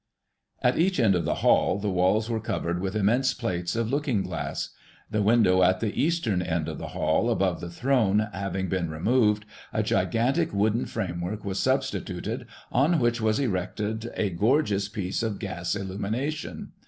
At each end of the Hall, the walls were covered with immense plates of looking glass. The window at the eastern end of the Hall, above the throne, having been removed, a gigantic wooden framework was substituted, on which was erected a gorgeous piece of gas illumination.